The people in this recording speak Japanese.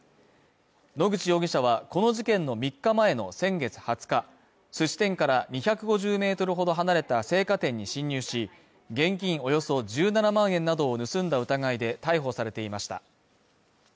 野口容疑者はこの事件の３日前の先月２０日、すし店から２５０ｍほど離れた青果店に侵入し、現金およそ１７万円などを盗んだ疑いで逮捕されていました。